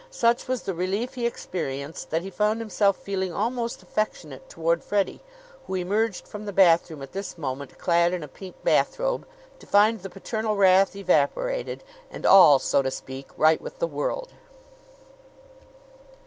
Such was the relief he experienced that he found himself feeling almost affectionate toward Freddie, who emerged from the bathroom at this moment, clad in a pink bathrobe, to find the paternal wrath evaporated, and all, so to speak, right with the world.